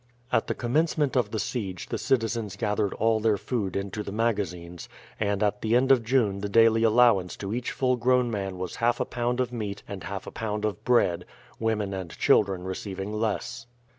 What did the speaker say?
At the commencement of the siege the citizens gathered all their food into the magazines, and at the end of June the daily allowance to each full grown man was half a pound of meat and half a pound of bread, women and children receiving less.